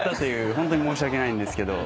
ホントに申し訳ないんですけど。